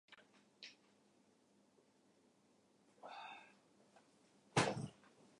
ｍｊｇｈｂｒｔ